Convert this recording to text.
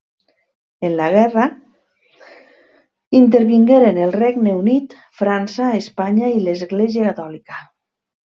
En la guerra intervingueren el Regne Unit, França, Espanya i l'Església Catòlica.